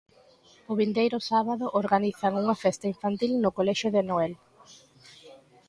O vindeiro sábado, organizan unha festa infantil no colexio de Noel.